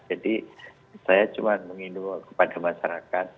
jadi saya cuma mengindul kepada masyarakat